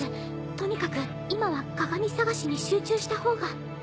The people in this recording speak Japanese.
とにかく今は鏡探しに集中した方が。